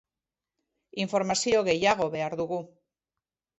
Informazio gehiago behar dugu.